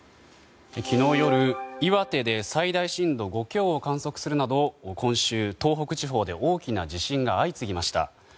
昨日夜、岩手で最大震度５強を観測するなど今週、東北地方で大きな地震が相次ぎました。